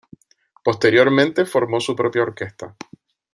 Posteriormente formó su propia orquesta.